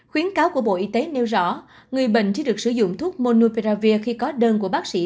khuyến cáo của bộ y tế nêu rõ người bệnh chỉ được sử dụng thuốc monuperavir khi có đơn của bác sĩ